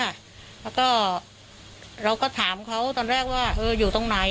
แล้วก็เราก็ถามเขาตอนแรกว่าเอออยู่ตรงไหน